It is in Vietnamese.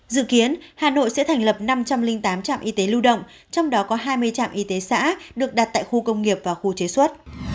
dự kiến hà nội sẽ thành lập năm trăm linh tám trạm y tế lưu động trong đó có hai mươi trạm y tế xã được đặt tại khu công nghiệp và khu chế xuất